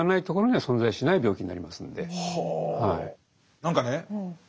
何かね